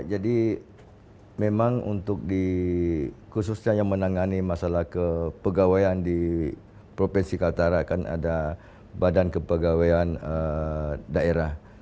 jadi memang untuk di khususnya yang menangani masalah kepegawaian di provinsi kalimantan utara kan ada badan kepegawaian daerah